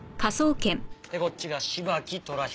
でこっちが芝木寅彦。